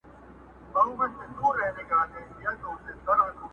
سایله اوس دي پر دښتونو عزرائیل وګوره؛